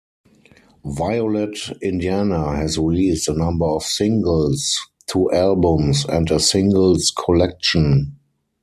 Violet Indiana has released a number of singles, two albums and a singles collection.